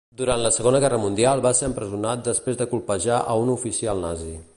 Durant la Segona Guerra Mundial va ser empresonat després de colpejar a un oficial nazi.